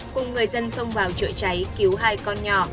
cùng người dân xông vào chữa cháy cứu hai con nhỏ